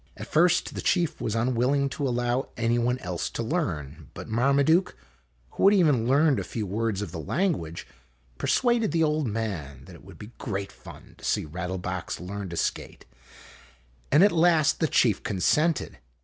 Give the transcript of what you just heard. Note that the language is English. At first the chief was unwilling to allow any one else to learn ; but Marmaduke, who had even learned a few words of the language, persuaded the old man that it would be great fun to see Rattle box learn to skate ; and at last the chief consented.